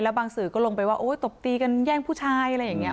บางสื่อก็ลงไปว่าตบตีกันแย่งผู้ชายอะไรอย่างนี้